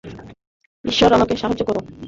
ঈশ্বর আমাকে সাহায্য করো।